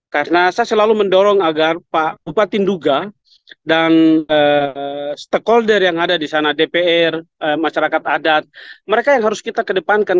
karena saya selalu mendorong agar bupati duga dan stakeholder yang ada di sana dpr masyarakat adat mereka yang harus kita kedepankan